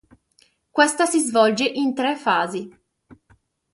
Questa si svolge in tre fasi.